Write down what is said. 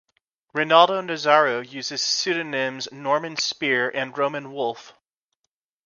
Rinaldo Nazzaro uses the pseudonyms Norman Spear and Roman Wolf.